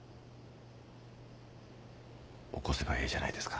起こせばええじゃないですか。